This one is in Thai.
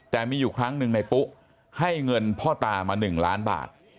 แต่มีอยู่ครั้งหนึ่งในปุ๊ให้เงินพ่อตามา๑ล้านบาท